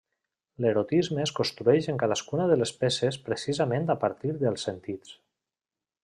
L'erotisme es construeix en cadascuna de les peces precisament a partir dels sentits.